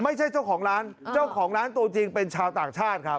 ไม่ใช่เจ้าของร้านเจ้าของร้านตัวจริงเป็นชาวต่างชาติครับ